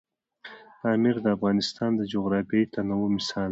پامیر د افغانستان د جغرافیوي تنوع مثال دی.